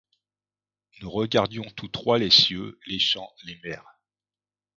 Nous regardions tous trois les cieux, les champs, les mers